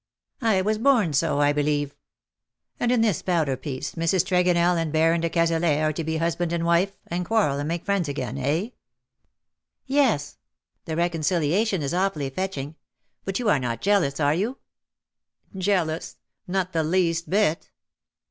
" I was born so, I believe. And in this powder piece Mrs. Tregonell and Baron de Cazalet are to 176 " THOU SHOULDST COME LIKE A FURY be husband and wife, and quarrel and make friends again — eb ?" "Yes. The reconciliation is awfully fetcbing. But you are not jealous, are you T' " Jealous ? Not the least bit.'